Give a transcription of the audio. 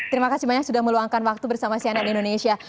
terima kasih banyak sudah meluangkan waktu bersama cnn indonesia